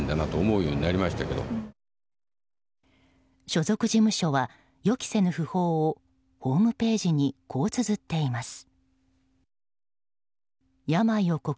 所属事務所は予期せぬ訃報をホームページにこうつづっています。